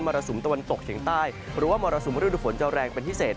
รสุมตะวันตกเฉียงใต้หรือว่ามรสุมฤดูฝนจะแรงเป็นพิเศษ